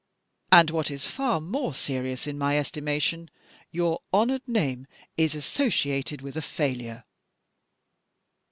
And, what is far more serious in my estimation, your honoured name is associated with a failure!